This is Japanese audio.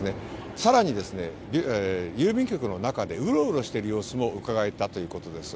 更に、郵便局の中でうろうろしている様子もうかがえたということです。